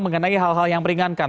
mengenai hal hal yang meringankan